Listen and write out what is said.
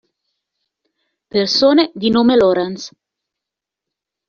Persone di nome Laurence